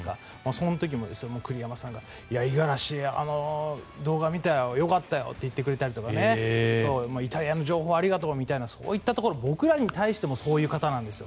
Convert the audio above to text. その時も栗山さんが五十嵐、動画見たよよかったよって言ってくれたりとかイタリアの情報ありがとうみたいなそういったところ僕らに対してもそういう方なんです。